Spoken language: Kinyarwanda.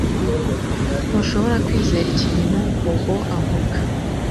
Ntushobora kwizera ikintu Bobo avuga